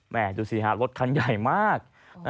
ดูสิฮะรถคันใหญ่มาก